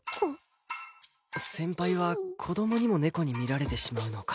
先輩は子供にも猫に見られてしまうのか